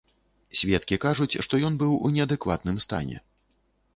Сведкі кажуць, што ён быў у неадэкватным стане.